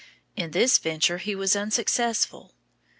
In this venture he was unsuccessful.